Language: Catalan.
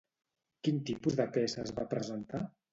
Quin tipus de peces va presentar?